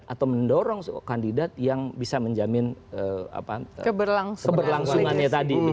atau mendorong kandidat yang bisa menjamin keberlangsungannya tadi